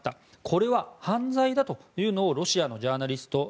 これは犯罪だというのをロシアのジャーナリストの